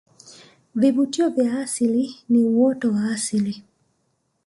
vivutio vya asili ni uoto wa asili